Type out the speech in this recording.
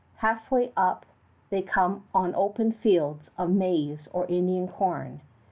Halfway up they come on open fields of maize or Indian corn.